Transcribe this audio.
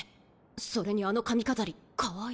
それにあの髪飾りかわいい。